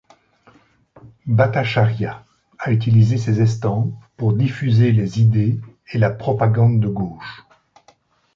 Bhattacharya a utilisé ses estampes pour diffuser les idées et la propagande de gauche.